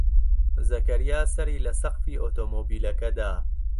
زەکەریا سەری لە سەقفی ئۆتۆمۆبیلەکە دا.